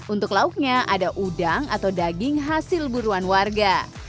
untuk lauknya ada udang atau daging hasil buruan warga